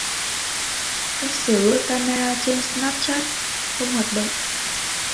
Cách sửa lỗi camera trên Snapchat không hoạt động